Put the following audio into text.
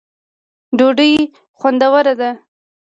ډوډۍ خوندوره ده